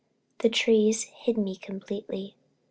The trees hid me completely.